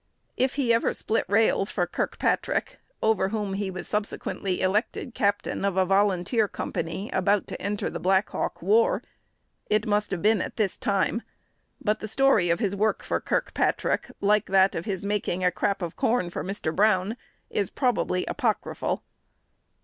If he ever split rails for Kirkpatrick, over whom he was subsequently elected captain of a volunteer company about to enter the Black Hawk War, it must have been at this time; but the story of his work for Kirkpatrick, like that of his making "a crap of corn" for Mr. Brown, is probably apocryphal.